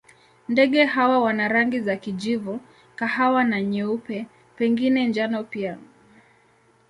Ndege hawa wana rangi za kijivu, kahawa na nyeupe, pengine njano pia.